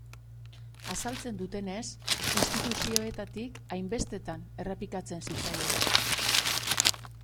Azaltzen dutenez, instituzioetatik hainbestetan errepikatzen zitzaien.